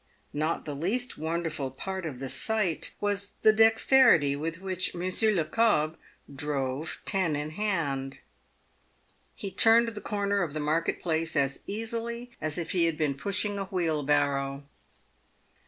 Not the least wonder ful part of the sight was the dexterity with which Monsieur Le Cobbe drove ten in hand. He turned the corner of the market place as easily as if he had been pushing a wheelbarrow.